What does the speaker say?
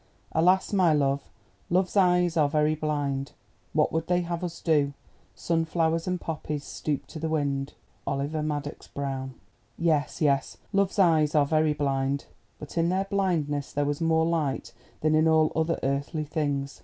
Alas, my love, Love's eyes are very blind! What would they have us do? Sunflowers and poppies Stoop to the wind——"[*] [*] Oliver Madox Brown. Yes, yes, Love's eyes are very blind, but in their blindness there was more light than in all other earthly things.